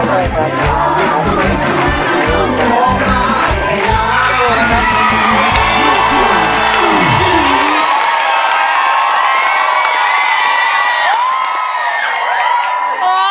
ได้ครับ